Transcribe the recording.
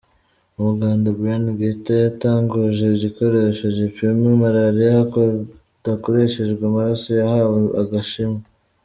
Umuganda, Brian Gitta yatanguje igikoresho gipima malaria hadakoreshejwe amaraso, yahawe agashimwe.